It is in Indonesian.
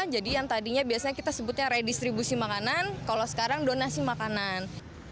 jadi yang tadinya biasanya kita sebutnya redistribusi makanan kalau sekarang donasi makanan